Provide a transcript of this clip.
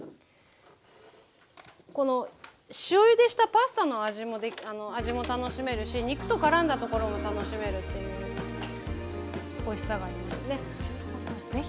この塩ゆでしたパスタの味も楽しめるし肉とからんだところも楽しめるっていうおいしさがありますね。